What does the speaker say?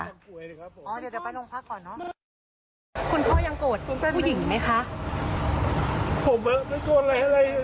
คุณพ่อยังโกรธผู้หญิงไหมคะ